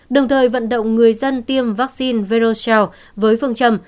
đồng thời vận động người dân tiêm vaccine veroshout với phương trầm